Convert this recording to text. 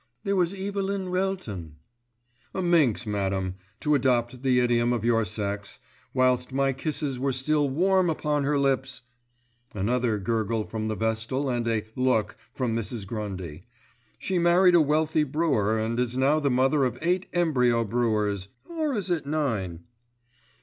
"There was Evelyn Relton——" "A minx, madam, to adopt the idiom of your sex, whilst my kisses were still warm upon her lips——" Another gurgle from the Vestal and a "look" from Mrs. Grundy,—"she married a wealthy brewer, and is now the mother of eight embryo brewers, or is it nine?"